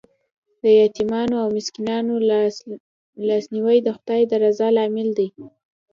د یتیمانو او مسکینانو لاسنیوی د خدای د رضا لامل دی.